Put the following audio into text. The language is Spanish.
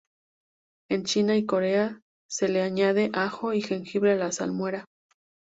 En China y Corea se le añade ajo y jengibre a la salmuera.